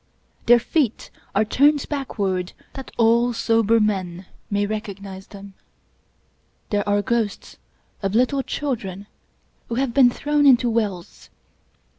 Their feet are turned backward that all sober men may recognize them. There are ghosts of little children who have been thrown into wells.